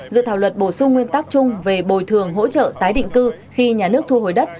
dự thảo luật bổ sung nguyên tắc chung về bồi thường hỗ trợ tái định cư khi nhà nước thu hồi đất